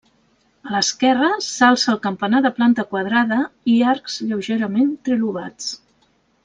A l'esquerra s'alça el campanar de planta quadrada i arcs lleugerament trilobats.